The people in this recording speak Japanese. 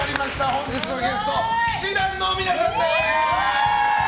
本日のゲスト氣志團の皆さんです！